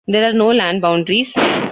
There are no land boundaries.